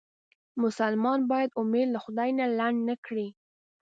مسلمان باید امید له خدای نه لنډ نه کړي.